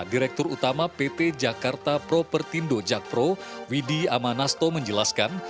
direktur utama pp jakarta propertindo jakpro widi amanasto menjelaskan